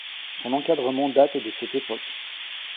Son encadrement date de cette époque.